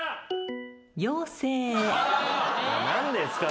何ですか？